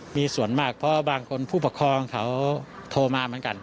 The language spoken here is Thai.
มีส่วนมากเพราะบางคนผู้ปกครองเขาโทรมาเหมือนกัน